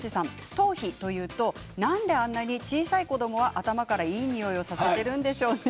頭皮というと、なんであんなに小さい子どもは頭からいいにおいをさせているんでしょうね。